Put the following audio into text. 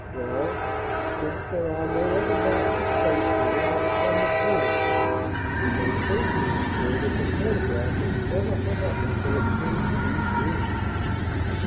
"Well, since there are no other marks of plates or rings upon the frame, we may safely infer that the photograph was never hung up until it came to these rooms."